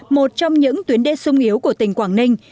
một trong những tuyến đê sung yếu của tỉnh quảng ninh